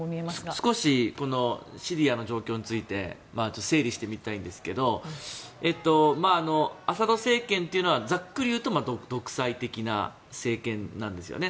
少しこのシリアの状況について整理してみたいんですけどアサド政権というのはざっくり言うと独裁的な政権なんですよね。